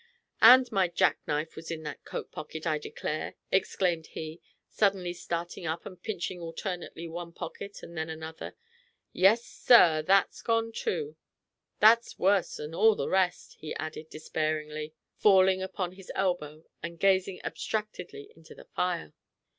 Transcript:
"And my jack knife was in the coat pocket, I declare!" exclaimed he, suddenly starting up and pinching alternately one pocket and then another. "Yes, sir, that's gone, too; that's worse than all the rest," he added, despairingly, falling upon his elbow, and gazing abstractedly into the fire.